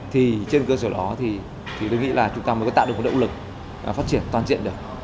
thì trên cơ sở đó thì tôi nghĩ là chúng ta mới có tạo được một động lực phát triển toàn diện được